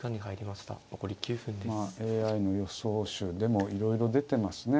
まあＡＩの予想手でもいろいろ出てますね。